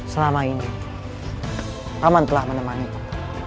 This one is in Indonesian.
selama ini aman telah menemaniku